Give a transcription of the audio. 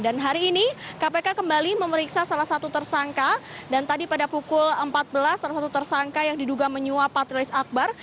dan hari ini kpk kembali memeriksa salah satu tersangka dan tadi pada pukul empat belas salah satu tersangka yang diduga menyuap patrialis akbar